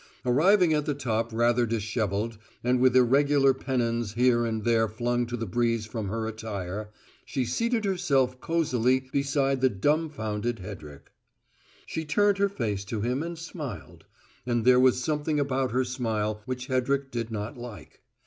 Arriving at the top rather dishevelled, and with irregular pennons here and there flung to the breeze from her attire, she seated herself cosily beside the dumbfounded Hedrick. She turned her face to him and smiled and there was something about her smile which Hedrick did not like.